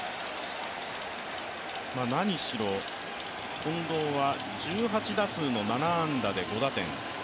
なにしろ近藤は１８打数７安打で５打点。